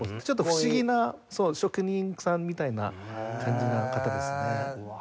ちょっと不思議な職人さんみたいな感じの方ですね。